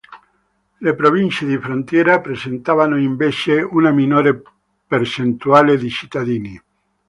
Le province di frontiera presentavano invece una minore percentuale di cittadini.